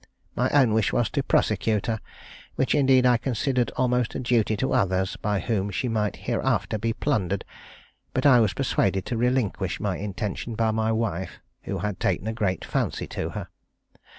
My own wish was to prosecute her, which indeed I considered almost a duty to others by whom she might hereafter be plundered, but I was persuaded to relinquish my intention by my wife, who had taken a great fancy to her.